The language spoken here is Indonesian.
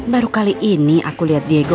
baru kali ini aku lihat diego